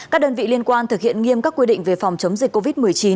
các đơn vị liên quan thực hiện nghiêm các quy định về phòng chống dịch covid một mươi chín